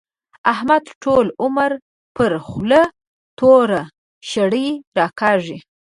احمد ټول عمر پر خوله توره شړۍ راکاږي.